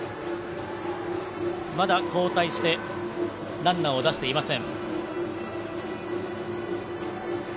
まだ交代してからランナーを出していません。